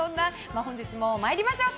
本日もまいりましょうか。